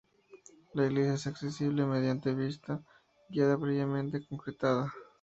La iglesia es accesible mediante visita guiada previamente concertada.